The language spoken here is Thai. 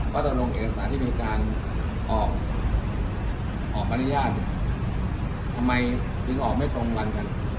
วัตรวงเอกสารที่มีการออกปริญญาณทำไมจึงออกไม่ตรงวันกัน